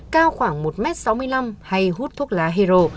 cao khoảng một m sáu mươi năm hay hút thuốc lá hero